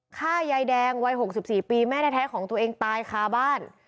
ฆ่ายายแดงวัย๖๔ปีแม่แท้ของตัวเองตายคาบ้าน